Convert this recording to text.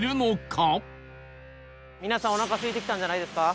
皆さんおなかすいてきたんじゃないですか？